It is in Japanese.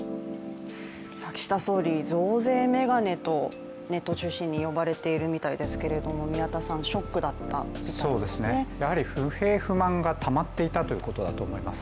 岸田総理、増税メガネとネットを中心に呼ばれているみたいですけれども、宮田さん、ショックだったんでしょうかね。やはり不平不満がたまっていたということだと思います。